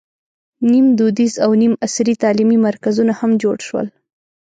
نیم دودیز او نیم عصري تعلیمي مرکزونه هم جوړ شول.